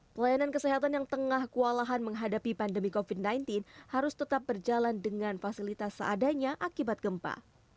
pelayanan kesehatan yang tengah kualahan menghadapi pandemi covid sembilan belas harus tetap berjalan dengan fasilitas seadanya akibat gempa